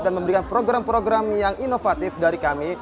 dan memberikan program program yang inovatif dari kami